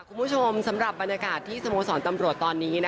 คุณผู้ชมสำหรับบรรยากาศที่สโมสรตำรวจตอนนี้